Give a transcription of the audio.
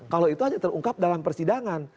kalau itu saja terungkap dalam persidangan